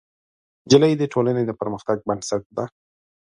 نجلۍ د ټولنې د پرمختګ بنسټ ده.